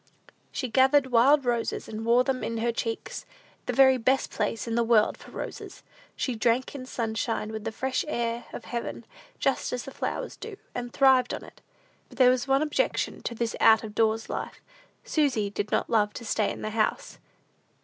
She gathered wild roses, and wore them in her cheeks, the very best place in the world for roses. She drank in sunshine with the fresh air of heaven, just as the flowers do, and thrived on it. But there was one objection to this out of doors life: Susy did not love to stay in the house.